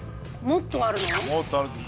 もっとあるぜ。